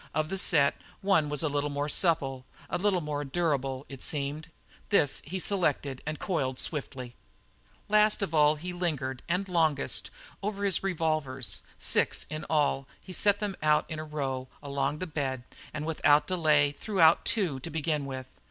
Of the set one was a little more supple, a little more durable, it seemed. This he selected and coiled swiftly. Last of all he lingered and longest over his revolvers. Six in all, he set them in a row along the bed and without delay threw out two to begin with.